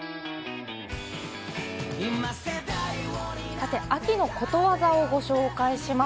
さて秋のことわざをご紹介します。